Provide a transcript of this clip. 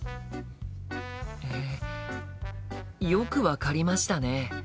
えよく分かりましたね！